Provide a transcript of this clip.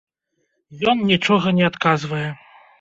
Ён нічога не адказвае.